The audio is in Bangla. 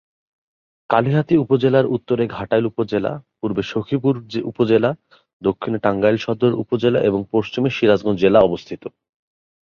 কালিহাতি উপজেলার উত্তরে ঘাটাইল উপজেলা, পূর্বে সখিপুর উপজেলা, দক্ষিণে টাঙ্গাইল সদর উপজেলা এবং পশ্চিমে সিরাজগঞ্জ জেলা অবস্থিত।